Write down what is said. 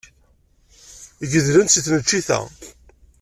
Gedlen-t seg tneččit-a.